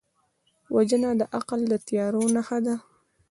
وژنه د عقل د تیارو نښه ده